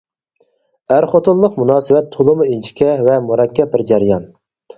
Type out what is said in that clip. ئەر-خوتۇنلۇق مۇناسىۋەت تولىمۇ ئىنچىكە ۋە مۇرەككەپ بىر جەريان.